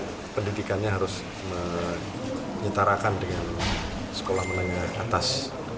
jadi pendidikannya harus menyitarakan dengan sekolah menengah atas